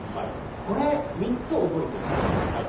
これ３つ覚えていただきたいんです。